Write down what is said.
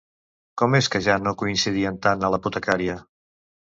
Com és que ja no coincidien tant a l'apotecaria?